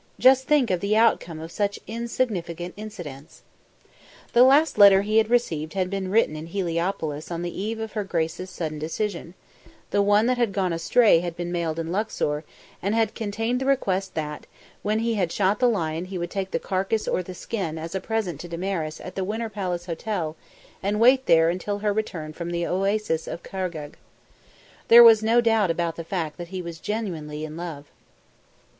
Just think of the outcome of such insignificant incidents. The last letter he had received had been written in Heliopolis on the eve of her grace's sudden decision; the one that had gone astray had been mailed in Luxor, and had contained the request that, when he had shot the lion he would take the carcase or the skin as a present to Damaris at the Winter Palace Hotel and wait there until her return from the Oasis of Khargegh. There was no doubt about the fact that he was genuinely in love.